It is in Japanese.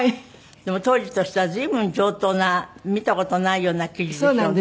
でも当時としては随分上等な見た事ないような生地でしょうね。